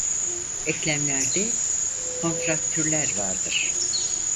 Eklemlerde kontraktürler vardır.